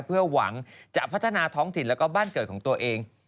เพื่อหวังจะพัฒนาท้องถิ่นแล้วก็บ้านเกิดของตัวเอง